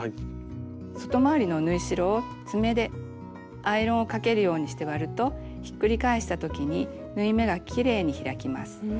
外回りの縫い代を爪でアイロンをかけるようにして割るとひっくり返したときに縫い目がきれいに開きます。